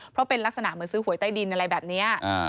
เพราะเป็นลักษณะเหมือนซื้อหวยใต้ดินอะไรแบบนี้